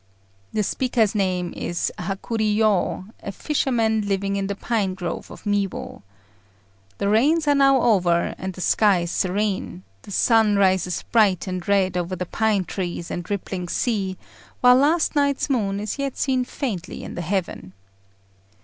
The speaker's name is Hakuriyô, a fisherman living in the pine grove of Miwo. The rains are now over, and the sky is serene; the sun rises bright and red over the pine trees and rippling sea; while last night's moon is yet seen faintly in the heaven.